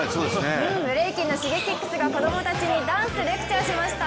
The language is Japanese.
ブレイキンのＳｈｉｇｅｋｉｘが子供たちにダンスをレクチャーしました。